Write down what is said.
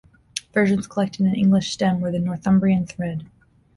Versions collected in England stem from the Northumbrian thread.